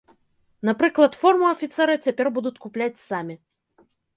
Напрыклад, форму афіцэры цяпер будуць купляць самі.